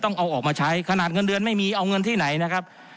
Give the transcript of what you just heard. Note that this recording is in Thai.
ต้องเอาออกมาใช้ขนาดเงินเดือนไม่มีเอาเงินที่ไหนนะครับ